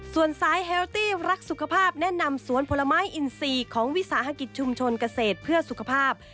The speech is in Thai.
ส่วนสายแฮลตี้รักสุขภาพแนะนำสวนผลไม้อินทรีย์ของวิสาหกิจชุมชนเกษตรเพื่อสุขภาพ